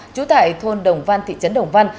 chú tại thôn đồng văn thị trấn đồng văn